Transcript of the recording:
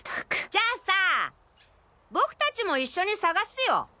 じゃあさ僕達も一緒に探すよ！